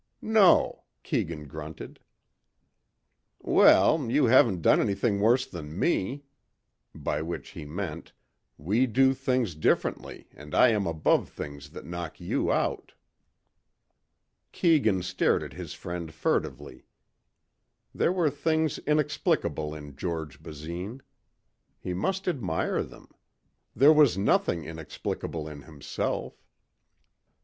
"No," Keegan grunted. "Well, you haven't done anything worse than me," by which he meant "We do things differently and I am above things that knock you out." Keegan stared at his friend furtively. There were things inexplicable in George Basine. He must admire them. There was nothing inexplicable in himself.